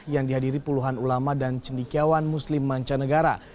yang dihadiri puluhan ulama dan cendikiawan muslim mancanegara